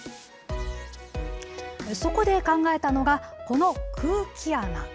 そこで考えたのが、この空気穴。